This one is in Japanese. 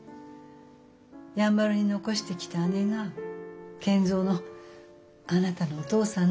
やんばるに残してきた姉が賢三のあなたのお父さんの母親。